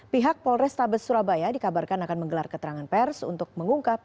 pihak polrestabes surabaya dikabarkan akan menggelar keterangan pers untuk mengungkap